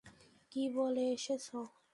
কি বলে এসেছো?